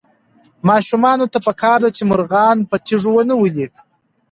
ماشومانو ته پکار ده چې مرغان په تیږو ونه ولي.